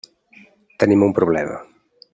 Tenim un problema.